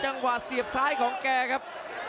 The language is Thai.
จังหวาเสียบใสของแกครับ